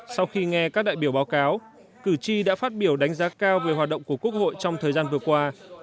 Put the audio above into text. sau khi nghe các đại biểu báo cáo cử tri đã phát biểu đánh giá cao về hoạt động của quốc hội trong thời gian vừa qua